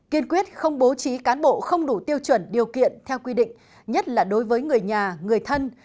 kiên quyết không bố trí cán bộ không đủ tiêu chuẩn điều kiện theo quy định nhất là đối với người nhà người thân